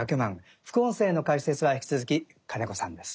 副音声の解説は引き続き金子さんです。